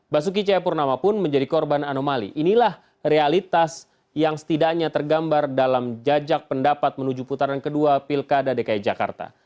basuki cahaya purnama pun menjadi korban anomali inilah realitas yang setidaknya tergambar dalam jajak pendapat menuju putaran kedua